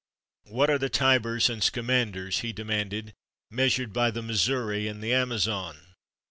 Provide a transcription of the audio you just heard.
"What are the Tibers and Scamanders," he demanded, "measured by the Missouri and the Amazon?